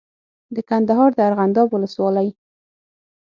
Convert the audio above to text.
د کندهار د ارغنداب ولسوالۍ